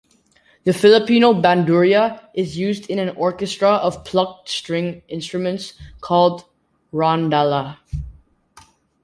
The Filipino bandurria is used in an orchestra of plucked string instruments called rondalla.